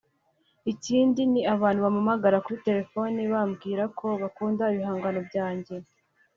Ikindi ni abantu bampamagara kuri telefone bakambwira ko bakunda ibihangano byanjye